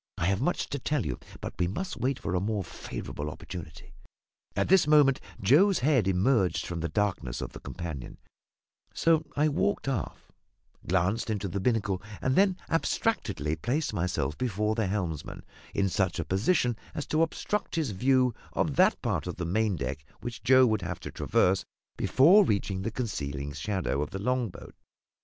I have much to tell you; but we must wait for a more favourable opportunity." At this moment Joe's head emerged from the darkness of the companion; so I walked aft, glanced into the binnacle, and then abstractedly placed myself before the helmsman in such a position as to obstruct his view of that part of the maindeck which Joe would have to traverse before reaching the concealing shadow of the long boat.